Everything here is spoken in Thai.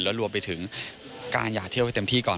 แล้วรวมไปถึงการอย่าเที่ยวให้เต็มที่ก่อน